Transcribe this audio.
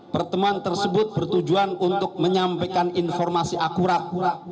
pertemuan tersebut bertujuan untuk menyampaikan informasi akurat